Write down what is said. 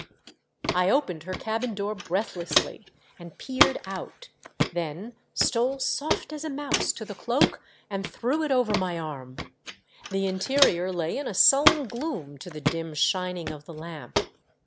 1 opened her cabin door breathlessly and 494 THE DEATH SHIP. peered out ; then stole soft as a mouse to the cloak and threw it over my arm. The interior lay in a sullen gloom to the dim shining of the lamp.